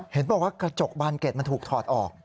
เห็นบอกว่ากระจกบานเกร็ดมันถูกถอดออก